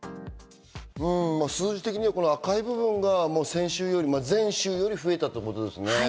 数字的には赤い部分が先週より前週より増えたということですね。